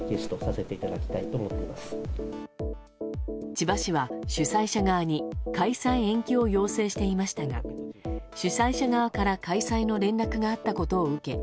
千葉市は、主催者側に開催延期を要請していましたが主催者側から開催の連絡があったことを受け